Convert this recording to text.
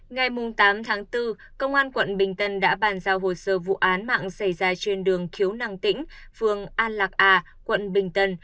ngày tám tháng bốn công an quận bình tân đã bàn giao hồ sơ vụ án mạng xảy ra trên đường khiếu nạng tĩnh phường an lạc a quận bình tân